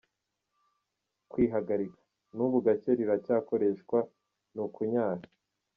Kwihagarika” : N’ubu gake riracyakoreshwa, ni ukunyara.